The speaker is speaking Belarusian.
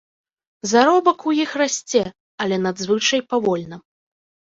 Заробак у іх расце, але надзвычай павольна.